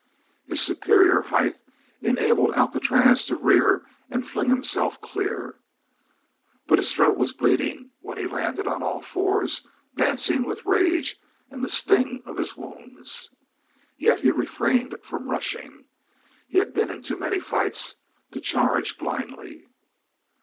His superior height enabled Alcatraz to rear and fling himself clear, but his throat was bleeding when he landed on all fours dancing with rage and the sting of his wounds. Yet he refrained from rushing; he had been in too many a fight to charge blindly.